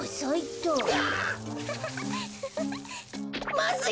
まずい！